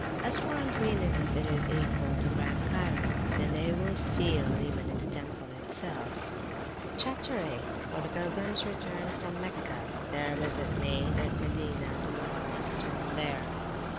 As for uncleanness, it is equal to Grand Cairo; and they will steal even in the temple itself. [p.381] CHAPTER VIII. Of the Pilgrims return from Mecca: their visit made at Medina to Mahomets tomb there.